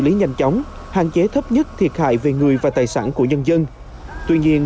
lý nhanh chóng hạn chế thấp nhất thiệt hại về người và tài sản của nhân dân tuy nhiên